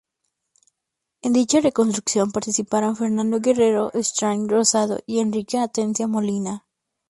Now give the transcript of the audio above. En dicha reconstrucción participaron Fernando Guerrero-Strachan Rosado y Enrique Atencia Molina.